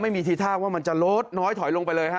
ทีท่าว่ามันจะลดน้อยถอยลงไปเลยฮะ